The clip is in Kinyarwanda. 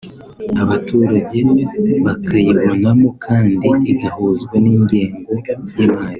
abaturage bakayibonamo kandi igahuzwa n’ingengo y’imari